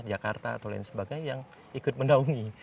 jakarta atau lain sebagainya yang ikut mendaungi